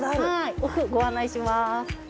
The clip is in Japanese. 奥ご案内します